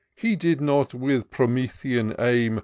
He did not, with Promethean aim.